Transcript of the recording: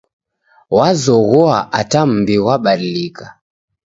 Wazoghoa ata mumbi ghwabadilika.